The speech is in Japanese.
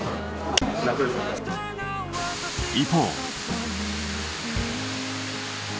一方。